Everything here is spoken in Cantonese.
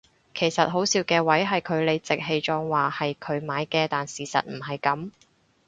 其實好笑嘅位係佢理直氣壯話係佢買嘅但事實唔係噉